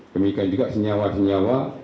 demikian juga senyawa senyawa